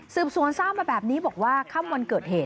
สวนทราบมาแบบนี้บอกว่าค่ำวันเกิดเหตุ